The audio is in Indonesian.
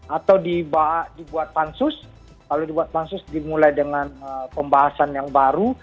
atau dibuat pansus lalu dibuat pansus dimulai dengan pembahasan yang baru